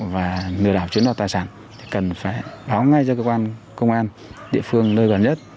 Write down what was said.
và lừa đảo chiếm đoạt tài sản thì cần phải báo ngay cho cơ quan công an địa phương nơi gần nhất